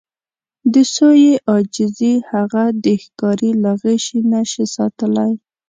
د سویې عاجزي هغه د ښکاري له غشي نه شي ساتلی.